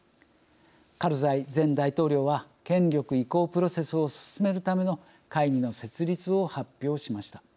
カルザイ前大統領は権力移行プロセスを進めるための会議の設立を発表しました。